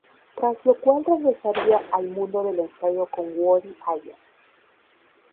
Tras lo cual regresaría al mundo del ensayo con "Woody Allen.